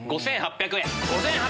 ５８００円。